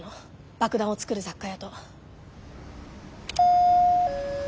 爆弾を作る雑貨屋と。